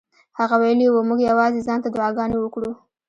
هغه ویلي وو موږ یوازې ځان ته دعاګانې وکړو.